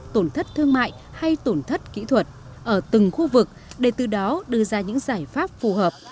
tổn thất thương mại hay tổn thất kỹ thuật ở từng khu vực để từ đó đưa ra những giải pháp phù hợp